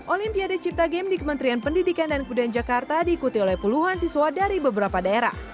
olimpiade cipta game di kementerian pendidikan dan kebudayaan jakarta diikuti oleh puluhan siswa dari beberapa daerah